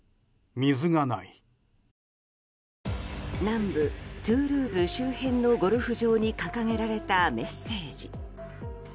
南部トゥールーズ周辺のゴルフ場に掲げられたメッセージ。